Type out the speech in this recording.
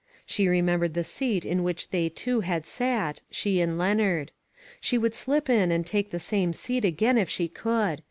She remembered the seat in which they two had sat — she and Leon ard. She would slip in and take the same seat again, if she could.